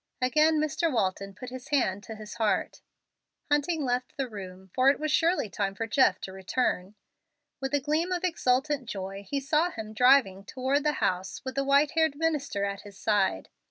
Again Mr. Walton put his hand to his heart. Hunting left the room, for it was surely time for Jeff to return. With a gleam of exultant joy he saw him driving toward the house with the white haired minister at his side.